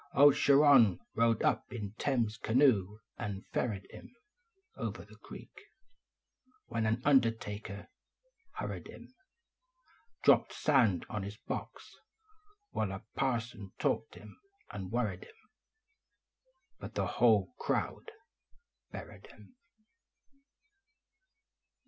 Old Charon rowed up in Time s canoe and ferried Mm Over the creek, when an undertaker hurried Mm, Dropped sand on his box, while a parson talked and worried Mm Hut the whole crowd buried Mm.